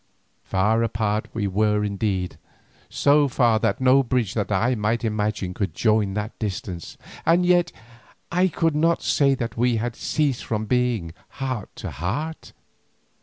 Far apart we were indeed, so far that no bridge that I might imagine could join that distance, and yet I could not say that we had ceased from being "heart to heart."